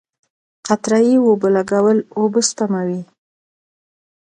قطره یي اوبولګول اوبه سپموي.